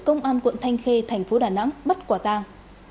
công an quận thanh khê thành phố đà nẵng bắt quả tang